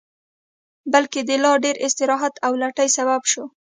بلکې د لا ډېر استراحت او لټۍ سبب شو